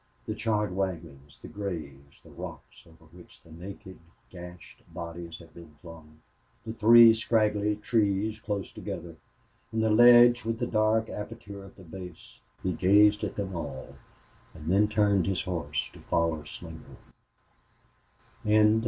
The charred wagons, the graves, the rocks over which the naked, gashed bodies had been flung, the three scraggy trees close together, and the ledge with the dark aperture at the base he gazed at them all, and then turned his horse to follow Slingerland.